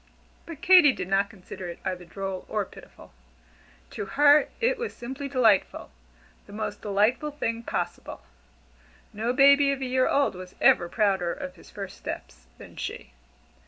But Katy did not consider it either droll or pitiful; to her it was simply delightful the most delightful thing possible. No baby of a year old was ever prouder of his first steps than she.